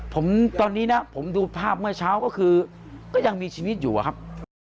ผมตอนนี้นะผมดูภาพเมื่อเช้าก็คือก็ยังมีชีวิตอยู่อะครับ